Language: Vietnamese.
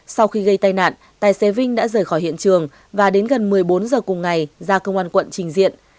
sau khi gây tai nạn tài xế vinh đã rời khỏi hiện trường và đến gần một mươi bốn h cùng ngày ra công an quận trình diện